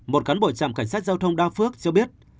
một cán bộ trạm cảnh sát giao thông đa phước cho biết